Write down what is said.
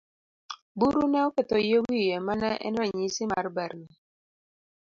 Buru ne oketho yie wiye mane en ranyisi mar berne.